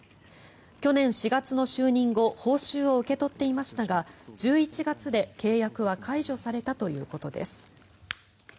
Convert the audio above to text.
去年４月の就任後報酬を受け取っていましたが１１月で契約は解除されたということです。